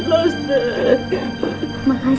kamu sudah merasakan pak